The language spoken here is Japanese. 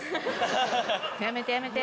やめてやめて。